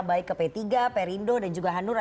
baik ke p tiga perindo dan juga hanura